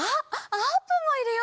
あーぷんもいるよ。